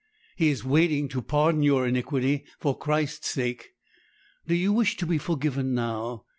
He is waiting to pardon your iniquity, for Christ's sake. Do you wish to be forgiven now?